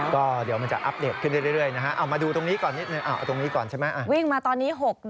๑๓กิโลเมตรแล้วผ่านไปทั้งหมด๑๔วัน